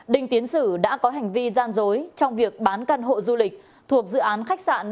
đinh tiến sử đã có hành vi gian dối trong việc bán căn hộ du lịch thuộc dự án khách sạn